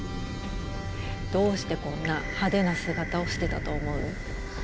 どうしてこんな派手な姿をしてたと思う？